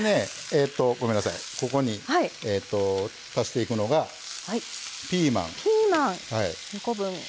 ここに足していくのがピーマン。